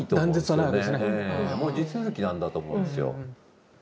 もう地続きなんだと思うんですよ。